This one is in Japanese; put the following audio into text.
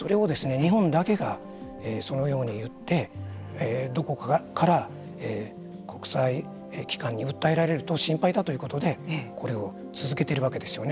日本だけがそのようにいってどこかから国際機関に訴えられると心配だということでこれを続けているわけですよね。